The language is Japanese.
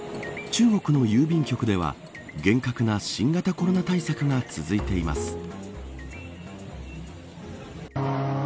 中国の郵便局では厳格な新型コロナ対策が続いています。